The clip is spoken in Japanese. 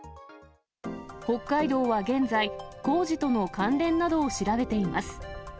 北海道は現在、工事との関連などを調べています。